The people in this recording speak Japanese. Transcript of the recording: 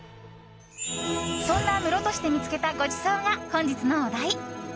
そんな室戸市で見つけたごちそうが本日のお題。